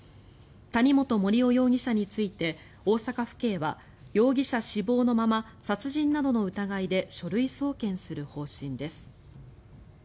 谷本盛雄容疑者について大阪府警は容疑者死亡のまま殺人などの疑いで書類送検する方針です。